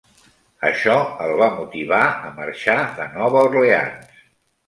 Això el va motivar a marxar de Nova Orleans.